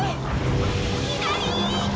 左！